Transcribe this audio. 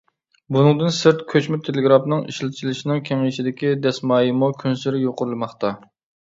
بۇنىڭدىن سىرت، كۆچمە تېلېگرافنىڭ ئىشلىتىلىشىنىڭ كېڭىيىشىدىكى دەسمايىمۇ كۈنسېرى يۇقىرىلىماقتا.